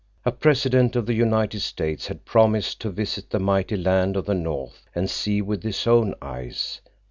A President of the United States had promised to visit the mighty land of the north and see with his own eyes.